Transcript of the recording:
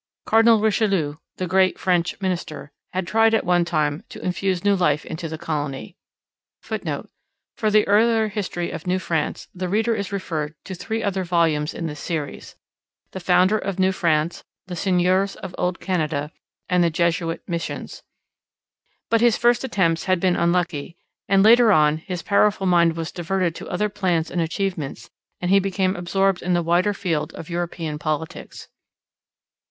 Cardinal Richelieu, the great French minister, had tried at one time to infuse new life into the colony; [Footnote: For the earlier history of New France the reader is referred to three other volumes in this Series The Founder of New France, The Seigneurs of Old Canada, and The Jesuit Missions.] but his first attempts had been unlucky, and later on his powerful mind was diverted to other plans and achievements and he became absorbed in the wider field of European politics.